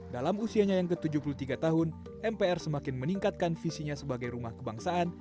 dalam usianya yang ke tujuh puluh tiga tahun mpr semakin meningkatkan visinya sebagai rumah kebangsaan